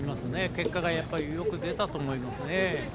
結果がよく出たと思います。